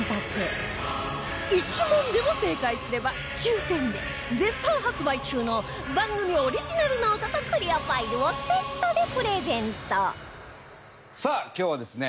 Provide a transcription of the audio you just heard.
１問でも正解すれば抽選で絶賛発売中の番組オリジナルノートとクリアファイルをセットでプレゼントさあ今日はですね